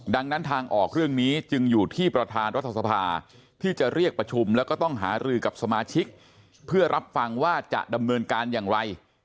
ดังนั้นทางออกเรื่องนี้จึงอยู่ที่ประธานรัฐสภาที่จะเรียกประชุมแล้วก็ต้องหารือกับสมาชิกเพื่อรับฟังว่าจะดำเนินการอย่างไร